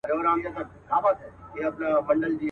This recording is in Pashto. !شینکی آسمانه.